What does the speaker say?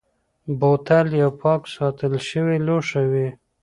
بوتل یو پاک ساتل شوی لوښی وي.